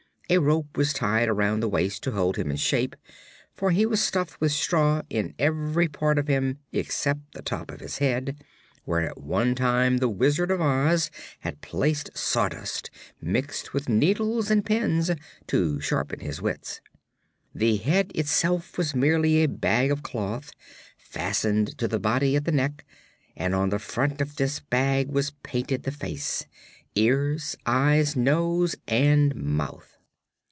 A rope was tied around his waist to hold him in shape, for he was stuffed with straw in every part of him except the top of his head, where at one time the Wizard of Oz had placed sawdust, mixed with needles and pins, to sharpen his wits. The head itself was merely a bag of cloth, fastened to the body at the neck, and on the front of this bag was painted the face ears, eyes, nose and mouth.